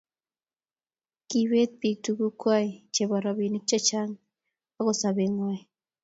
kibeet biik tuguk kwai chebo robinik chechang ago sobengwai.